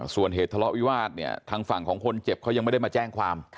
ส่วนเหตุทะเลาะวิวาสเนี่ยทางฝั่งของคนเจ็บเขายังไม่ได้มาแจ้งความ